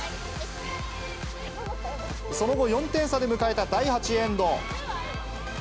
その後、４点差で迎えた第８エンド。